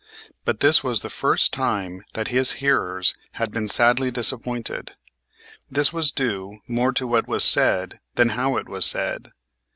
But this was the first time that his hearers had been sadly disappointed. This was due more to what was said than how it was said.